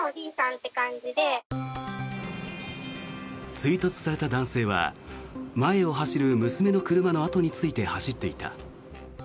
追突された男性は前を走る娘の車の後について走っていた。